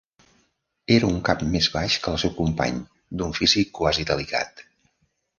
Era un cap més baix que el seu company, d'un físic quasi delicat.